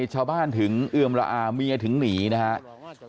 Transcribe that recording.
ชาวบ้านถึงเอือมละอาเมียถึงหนีนะครับ